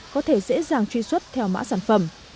có thể dễ dàng truy xuất theo mã sản phẩm